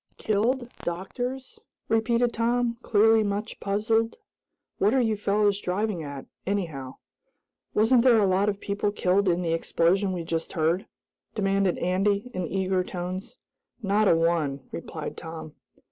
"Killed? Doctors?" repeated Tom, clearly much puzzled. "What are you fellows driving at, anyhow?" "Wasn't there a lot of people killed in the explosion we heard?" demanded Andy, in eager tones. "Not a one," replied Tom.